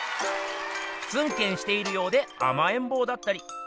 ツンケンしているようであまえんぼうだったり。